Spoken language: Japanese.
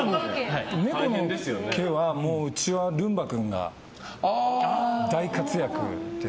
猫の毛はうちはルンバ君が大活躍です。